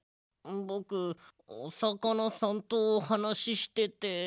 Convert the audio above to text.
ぼくおさかなさんとおはなししてて。